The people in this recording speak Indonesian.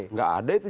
nggak ada itu